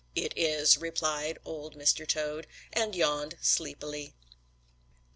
"It is," replied Old Mr. Toad, and yawned sleepily. XVI.